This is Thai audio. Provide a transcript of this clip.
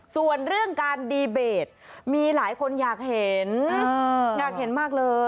ส่วนเรื่องการดีเบตมีหลายคนอยากเห็นอยากเห็นมากเลย